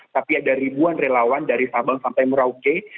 tapi ada ribuan relawan dari sabang sampai merauke